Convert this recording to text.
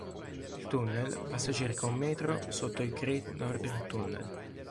Il tunnel passa circa un metro sotto il Great Northern Tunnel.